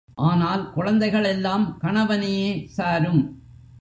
ஆனால் குழந்தைகள் எல்லாம் கணவனையே சாரும்.